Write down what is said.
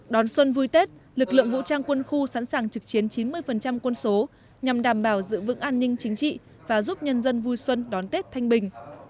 đón xuân vui tết lực lượng vũ trang quân khu sẵn sàng trực chiến chín mươi quân số nhằm đảm bảo giữ vững an ninh chính trị và giúp nhân dân vui xuân đón tết thanh bình